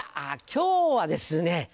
今日はですね